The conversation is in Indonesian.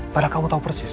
padahal kamu tahu persis